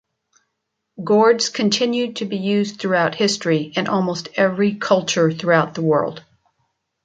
Gourds continued to be used throughout history, in almost every culture throughout the world.